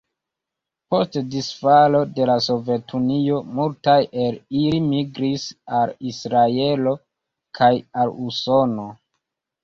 Post disfalo de la Sovetunio, multaj el ili migris al Israelo kaj al Usono.